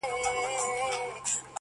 یا مرور دی له تعبیره قسمت،